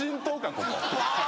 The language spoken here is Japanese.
ここ。